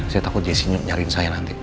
saya takut jessi nyariin saya nanti